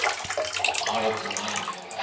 悪くないねこれ。